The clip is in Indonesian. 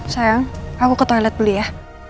sayang aku ke toilet beli ya